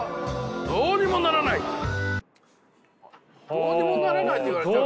どうにもならないって言われちゃったね。